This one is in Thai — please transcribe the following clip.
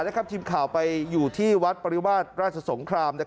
ทีมข่าวไปอยู่ที่วัดปริวาสราชสงคราม